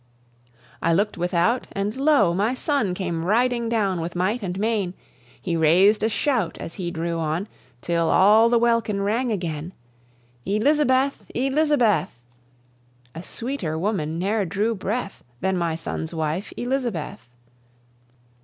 I look'd without, and lo! my sonne Came riding downe with might and main; He rais'd a shout as he drew on, Till all the welkin rang again, "Elizabeth! Elizabeth!" (A sweeter woman ne'er drew breath Than my sonne's wife, Elizabeth.)